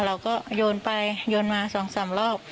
เราก็โยนไปโยนมาสองสามรอบ